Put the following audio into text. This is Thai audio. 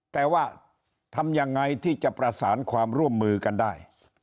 แต่ว่าทำยังไงที่จะประสานความร่วมมือกันได้